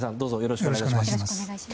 よろしくお願いします。